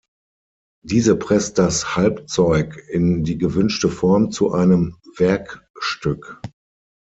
Diese presst das Halbzeug in die gewünschte Form zu einem Werkstück.